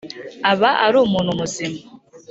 aba ari umuntu muzima